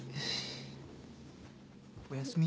おやすみ。